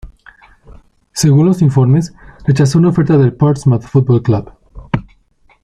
Según los informes, rechazó una oferta del Portsmouth Football Club.